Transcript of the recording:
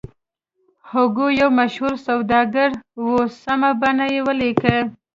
هوګو یو مشهور سوداګر و سمه بڼه ولیکئ.